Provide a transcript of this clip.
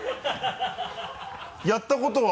やったことは？